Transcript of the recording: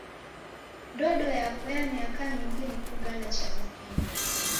Ndodo yapo kwa miaka mingi ni kugala cha mzinyi.